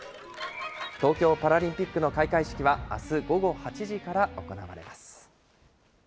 東京パラリンピックの開会式はあす午後８時から行われます。